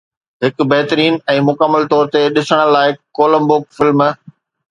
هڪ بهترين ۽ مڪمل طور تي ڏسڻ لائق ڪولمبو فلم